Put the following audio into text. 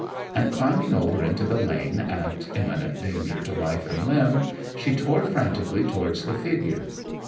and climbing over into the lane at imminent danger to life and limb, she tore frantically towards the figure.